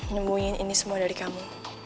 nemuin ini semua dari kamu